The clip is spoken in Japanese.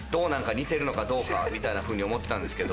似てるのかどうかみたいなふうに思ってたんですけど。